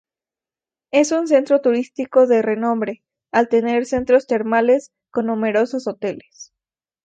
Es un centro turístico de renombre, al tener centros termales con numerosos hoteles.